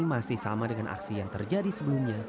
masih sama dengan aksi yang terjadi sebelumnya